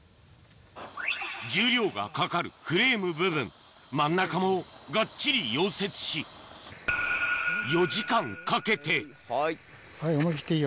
重量がかかるフレーム部分真ん中もがっちり溶接し思い切っていいよ。